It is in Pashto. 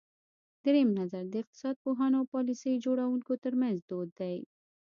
درېیم نظر د اقتصاد پوهانو او پالیسۍ جوړوونکو ترمنځ دود دی.